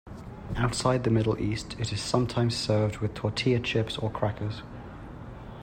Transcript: Outside the Middle East, it is sometimes served with tortilla chips or crackers.